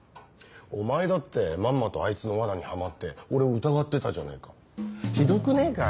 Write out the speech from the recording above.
お前だってまんまとあいつの罠にハマって俺を疑ってたじゃねえかひどくねえか？